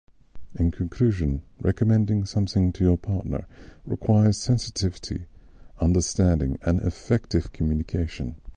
In conclusion, recommending something to your partner requires sensitivity, understanding, and effective communication.